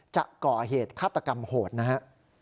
จะก่อเหตุฆาตกรรมโหดนะฮะ